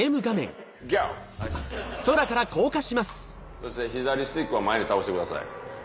そして左スティックを前に倒してください。